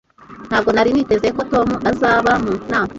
Ntabwo nari niteze ko Tom azaba mu nama.